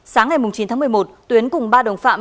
sáng ngày chín tháng một mươi một tuyến cùng ba đồng phạm